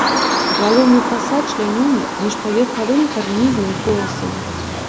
Галоўны фасад члянёны міжпаверхавым карнізным поясам.